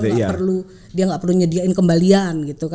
dia nggak perlu dia nggak perlu menyediakan kembalian gitu kan